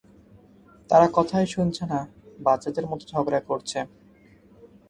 তারা কথাই শুনছে না, বাচ্চাদের মতো ঝগড়া করছে।